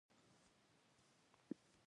سیلاني ځایونه د اقلیمي نظام یو ښه ښکارندوی دی.